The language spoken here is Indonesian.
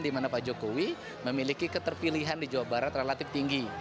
di mana pak jokowi memiliki keterpilihan di jawa barat relatif tinggi